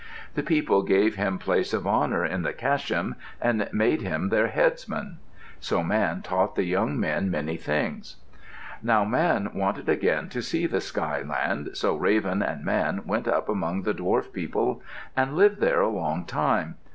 The people gave him place of honor in the kashim, and made him their headsman. So Man taught the young men many things. Now Man wanted again to see the skyland, so Raven and Man went up among the dwarf people and lived there a long time.